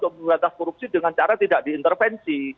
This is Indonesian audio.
tapi kpk untuk menguatasi korupsi dengan cara tidak diintervensi